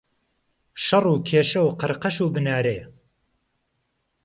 شەڕ و کێشە و قەڕقەش و بنارێ.